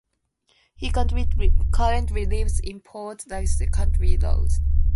He currently lives in Port Laoise, County Laois.